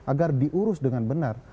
agar diurus dengan benar